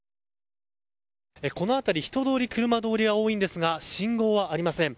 この辺り人通り、車通りは多いんですが信号はありません。